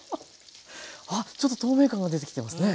ちょっと透明感が出てきてますね。